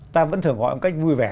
ta vẫn thường gọi một cách vui vẻ